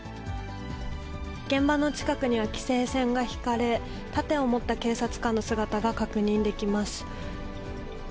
現場の近くには規制線が引かれ、盾を持った警察官の姿が確認できます。